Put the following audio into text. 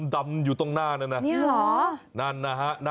ดำอยู่ตรงหน้านั้นนะนี่หรอ